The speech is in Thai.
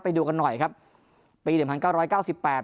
ไปดูกันหน่อยครับปีหนึ่งพันเก้าร้อยเก้าสิบแปด